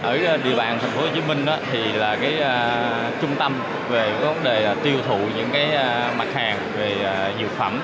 ở địa bàn tp hcm là trung tâm về tiêu thụ những mặt hàng về nhiều phẩm